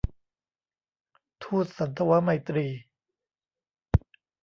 ทูตสันถวไมตรี